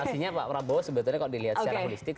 pastinya pak prabowo sebetulnya kalau dilihat secara holistik